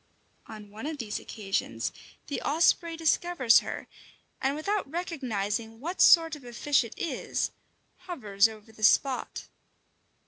On one of these occasions the osprey discovers her, and without recognizing what sort of a fish it is, hovers above the spot.